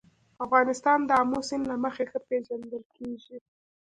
افغانستان د آمو سیند له مخې ښه پېژندل کېږي.